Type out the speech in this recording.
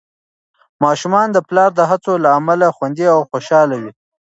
ماشومان د پلار د هڅو له امله خوندي او خوشحال وي.